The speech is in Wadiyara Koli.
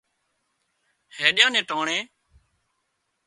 هينڏيا نين ٽانڻي